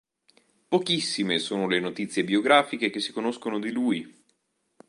Pochissime sono le notizie biografiche che si conoscono di lui.